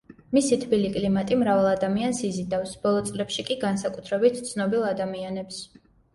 მისი თბილი კლიმატი მრავალ ადამიანს იზიდავს, ბოლო წლებში კი განსაკუთრებით ცნობილ ადამიანებს.